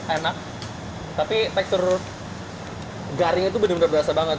enak tapi tekstur garingnya itu benar benar berasa banget